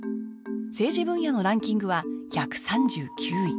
政治分野のランキングは１３９位